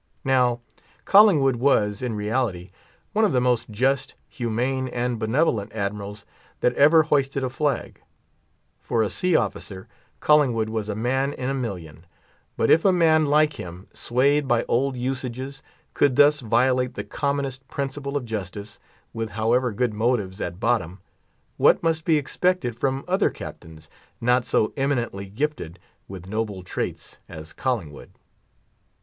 Now Collingood was, in reality, one of the most just, humane, and benevolent admirals that ever hoisted a flag. For a sea officer, Collingwood was a man in a million. But if a man like him, swayed by old usages, could thus violate the commonest principle of justice—with however good motives at bottom—what must be expected from other Captains not so eminently gifted with noble traits as Collingwood?